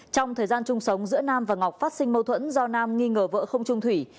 trong thời gian chung sống giữa nam và ngọc phát sinh mâu thuẫn do nam nghi ngờ vợ không trung thủy